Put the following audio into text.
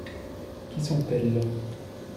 Qui sont-elles ?